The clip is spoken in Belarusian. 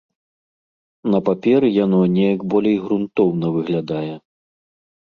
На паперы яно неяк болей грунтоўна выглядае.